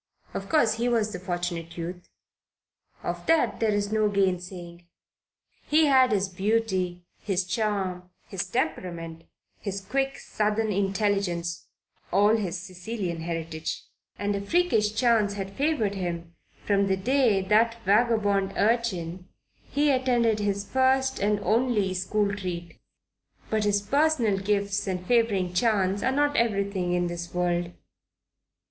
Of course he was the Fortunate Youth. Of that there is no gainsaying. He had his beauty, his charm, his temperament, his quick southern intelligence all his Sicilian heritage and a freakish chance had favoured him from the day that, vagabond urchin, he attended his first and only Sunday school treat. But personal gifts and favouring chance are not everything in this world.